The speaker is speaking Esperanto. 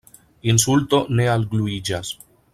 Insulto ne algluiĝas.